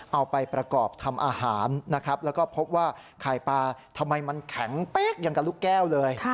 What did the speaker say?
เอาไปประกอบทำอาหารนะครับแล้วก็พบว่าไข่ปลาทำไมมันแข็งเป๊กอย่างกับลูกแก้วเลย